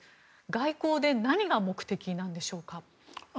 外交で何が目的なんでしょうか。